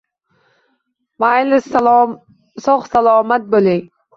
Mayli, sog‘-salomat bo‘ling.